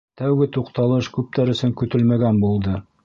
Тәүге туҡталыш күптәр өсөн көтөлмәгән булды.